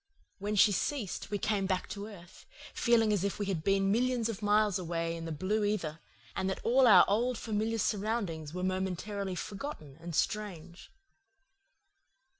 When she ceased, we came back to earth, feeling as if we had been millions of miles away in the blue ether, and that all our old familiar surroundings were momentarily forgotten and strange.